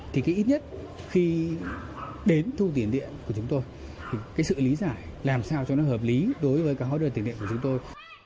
thì cái ít nhất khi đến thu tiền điện của chúng tôi thì cái sự lý giải làm sao cho nó hợp lý đối với các hóa đơn tiền điện của chúng tôi